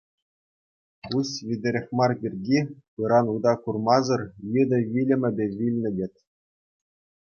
Куҫ витӗрех мар пирки, пыран ута курмасӑр, йытӑ вилӗмпе вилнӗ, тет.